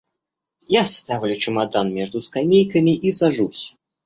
Я ставлю чемодан между скамейками и сажусь.